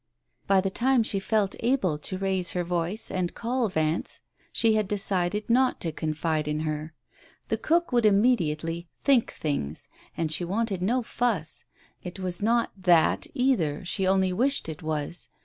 By the time she felt able to raise her voice and call Vance she had decided not to confide in her. The cook Digitized by Google 48 TALES OF THE UNEASY would immediately "think things," and she wanted no fuss. It was not "that" either, she only wished it was.